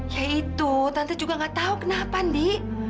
ya itu tante juga nggak tahu kenapa indi